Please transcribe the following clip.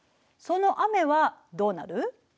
その雨はどうなる？